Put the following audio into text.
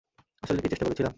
আসলেই কি চেষ্টা করেছিলাম?